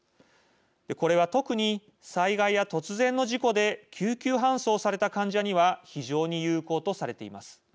これは特に、災害や突然の事故で救急搬送された患者には非常に有効とされています。